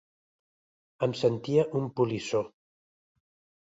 Em sentia un polissó.